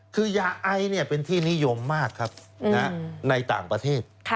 คือยาไอเป็นที่นิยมมากครับในต่างประเทศ